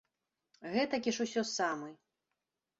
Гэтакі ж усё самы.